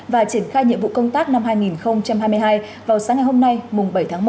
và triển khai nhiệm vụ công tác năm hai nghìn hai mươi hai vào sáng ngày hôm nay mùng bảy tháng một